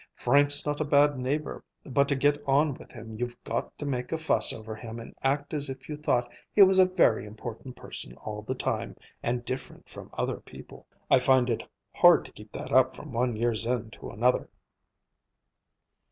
Frank's not a bad neighbor, but to get on with him you've got to make a fuss over him and act as if you thought he was a very important person all the time, and different from other people. I find it hard to keep that up from one year's end to another."